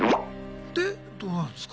でどうなるんすか？